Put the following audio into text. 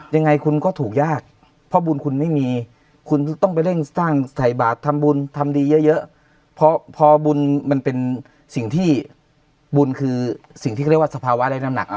ยังไงคุณก็ถูกยากเพราะบุญคุณไม่มีคุณต้องไปเร่งสร้างใส่บาททำบุญทำดีเยอะพอบุญมันเป็นสิ่งที่บุญคือสิ่งที่เขาเรียกว่าสภาวะและน้ำหนัก